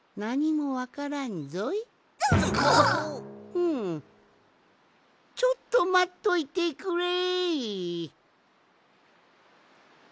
うんちょっとまっといてくれい！